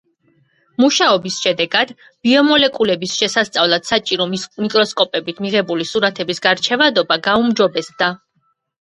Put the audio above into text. მუშაობის შედეგად, ბიომოლეკულების შესასწავლად საჭირო მიკროსკოპებით მიღებული სურათების გარჩევადობა გაუმჯობესდა.